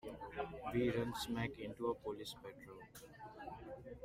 We run smack into a police patrol.